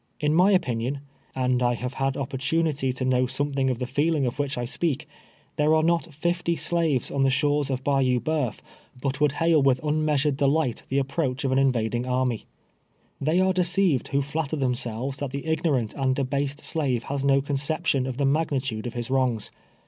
In my opinion — and I have had opportunity to know something of the feeling of which I speak — there are not fifty slaves on the shores of Bayou Boeuf, but would hail with unmeasured delight the approach of an invading army. Tlie}^ are deceived who flatter themselves that the ignorant and debased slave has no conception of the magnitude of his wrongs.